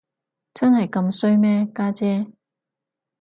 真係咁衰咩，家姐？